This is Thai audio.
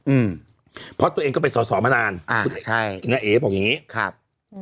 อืมเพราะตัวเองก็เป็นสอสอมานานอ่าใช่น้าเอ๋บอกอย่างงี้ครับอืม